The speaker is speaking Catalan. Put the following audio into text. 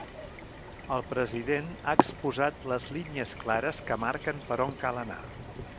El president ha exposat les línies clares que marquen per on cal anar.